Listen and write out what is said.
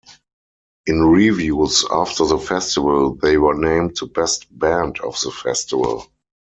In reviews after the festival they were named the best band of the festival.